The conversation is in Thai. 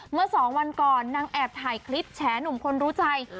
เมื่อ๒วันก่อนนางแอบถ่ายคลิปแฉหนุ่มคนรู้ใจ